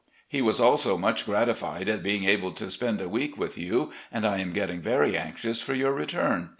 He was also much gratified at being able to spend a week with you, and I am getting very anxious for your return.